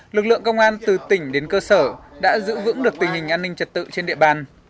lực lượng công an từ tỉnh đến cơ sở đã giữ vững được tình hình an ninh trật tự trên địa bàn